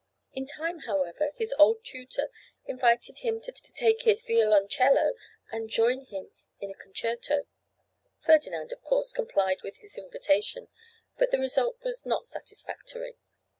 In time, however, his old tutor invited him to take his violoncello and join him in a concerto. Ferdinand of course complied with his invitation, but the result was not satisfactory.